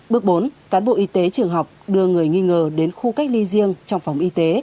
bước bốn cán bộ y tế trường học đưa người nghi ngờ đến khu cách ly riêng trong phòng y tế